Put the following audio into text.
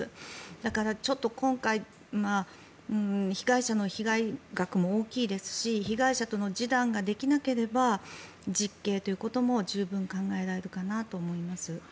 だから今回、被害者の被害額も大きいですし被害者との示談ができなければ実刑ということも十分に考えられるかなと思います。